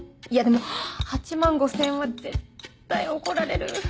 いやでも８万５０００円は絶対怒られる。